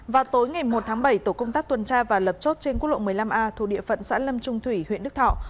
vào tối ngày một tháng bảy tổ công tác tuần tra và lập chốt trên quốc lộ một mươi năm a thuộc địa phận xã lâm trung thủy huyện đức thọ